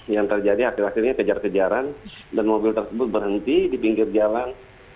yang terjadi akhir akhirnya kejar kejaran dan mobil tersebut berhenti di pinggir jalan